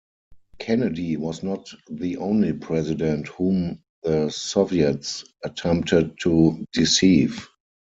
Kennedy was not the only president whom the Soviets attempted to deceive.